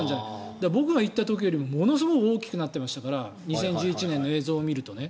だから、僕が行った時よりものすごい大きくなっていましたから２０１１年の映像を見ると。